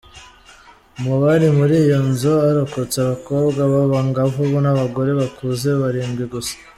Mu bari muri iyo nzu, harokotse abakobwa b’abangavu n’abagore bakuze barindwi gusa.